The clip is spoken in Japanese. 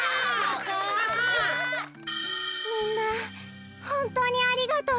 みんなほんとうにありがとう。